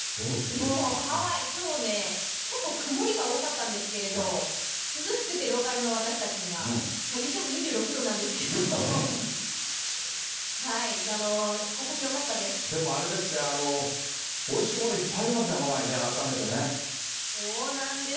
もうハワイ、きょうはね、結構、曇りが多かったんですけれども、涼しくてローカルの私たちには。いっても２６度なんですけども、でもあれですね、おいしいものいっぱいありますね、ハワイね、そうなんです。